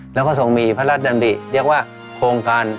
แล้วก็ทรงมีพระราชดำริเรียกว่าโครงการ